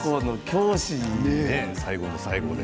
最後の最後で。